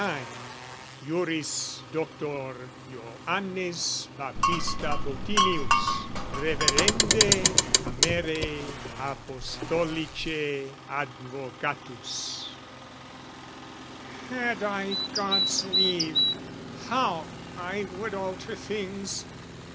IX Juris Doctor Johannes Baptista Bottinius Fisci et Rev. Cam. Apostol. Advocatus Had I God's leave, how I would alter things!